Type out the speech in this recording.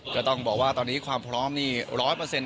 จะต้องบอกว่าตอนนี้ความพร้อม๑๐๐เปอร์เซ็นต์